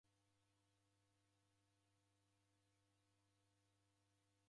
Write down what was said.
Kabenyi makofi.